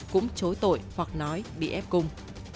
cũng chối tội hoặc nói bị ép cung